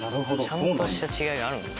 ちゃんとした違いがあるんだ。